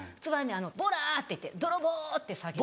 「ボラ！」って言って「泥棒！」って叫んで。